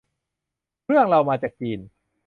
เครื่องเรามาจากจีน